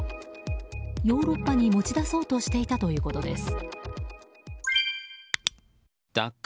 ヨーロッパに持ち出そうとしていたということです。